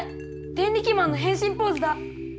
デンリキマンのへんしんポーズだ。